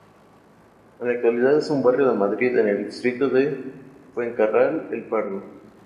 En la actualidad es un barrio de Madrid, en el distrito de Fuencarral-El Pardo.